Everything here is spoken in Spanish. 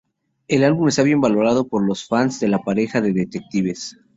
El álbum está bien valorado por los fans de la pareja de detectives.